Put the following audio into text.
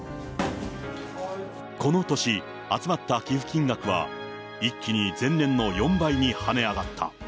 この年、集まった寄付金額は、一気に前年の４倍に跳ね上がった。